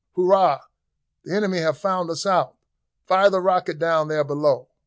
"Hurrah! the enemy have found us out. Fire the rocket down there below!"